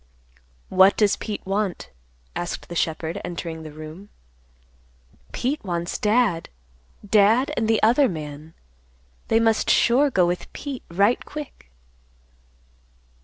"What does Pete want?" asked the shepherd entering the room. "Pete wants Dad; Dad and the other man. They must sure go with Pete right quick."